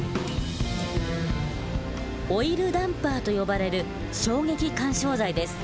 「オイルダンパー」と呼ばれる衝撃緩衝材です。